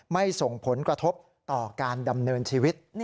ส่งผลกระทบต่อการดำเนินชีวิต